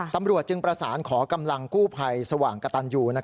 ตำรวจจึงประสานขอกำลังกู้ภัยสว่างกระตันยู